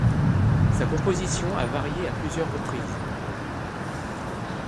Sa composition a varié à plusieurs reprises.